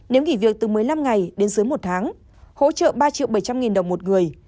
nếu nghỉ việc từ một mươi năm ngày đến dưới một tháng hỗ trợ ba triệu bảy trăm linh nghìn đồng một người